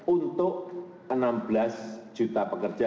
untuk enam belas juta pekerja